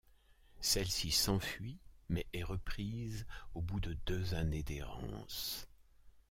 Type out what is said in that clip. Celle-ci s'enfuit mais est reprise au bout de deux années d'errance.